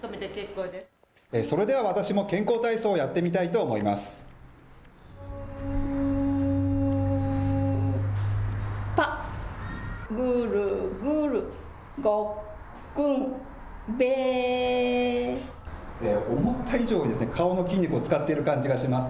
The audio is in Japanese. それでは私も健口体操をやってみたいと思います。